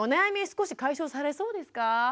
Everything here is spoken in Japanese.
少し解消されそうですか？